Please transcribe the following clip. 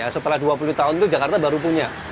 setelah dua puluh tahun itu jakarta baru punya